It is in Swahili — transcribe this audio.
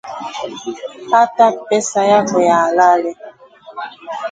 Pata pesa yako ya halali